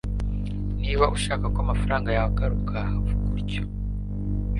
Niba ushaka ko amafaranga yawe agaruka vuga utyo